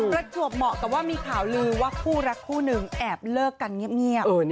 ประจวบเหมาะกับว่ามีข่าวลือว่าคู่รักคู่หนึ่งแอบเลิกกันเงียบ